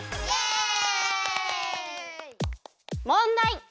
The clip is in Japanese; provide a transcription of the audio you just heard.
もんだい！